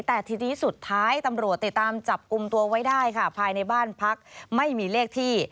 แต่ทีนี้สุดท้ายตำรวจติดตามจับกลุ่มตัวไว้ได้ค่ะภายในบ้านพักไม่มีเลขที่